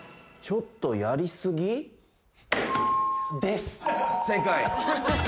ちょっとやりすぎです。